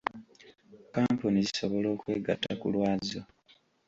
Kkampuni zisobola okwegatta ku lwazo.